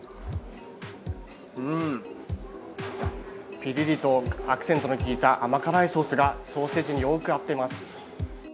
ピリリとアクセントのきいた甘辛いソースがソーセージによく合っています。